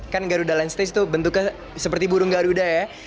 kan garuda land stage itu bentuknya seperti burung garuda ya